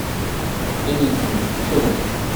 Émile Combes, Chaumont